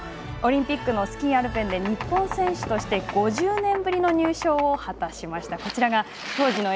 オリンピックのスキー・アルペンで日本選手として５０年ぶりの入賞を果たしました。